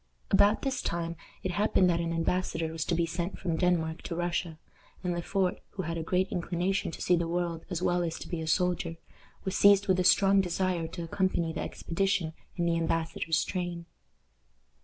About this time it happened that an embassador was to be sent from Denmark to Russia, and Le Fort, who had a great inclination to see the world as well as to be a soldier, was seized with a strong desire to accompany the expedition in the embassador's train.